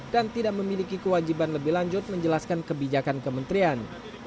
dan tidak memiliki kewajiban lebih lanjut menjelaskan kebijakan perusahaan